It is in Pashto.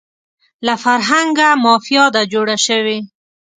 له فرهنګه مافیا ده جوړه شوې